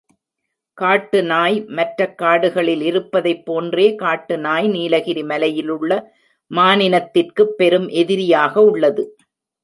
காட்டு நாய் மற்றக் காடுகளில் இருப்பதைப் போன்றே காட்டு நாய் நீலகிரி மலையிலுள்ள மானினத்திற்குப் பெரும் எதிரியாக உள்ளது.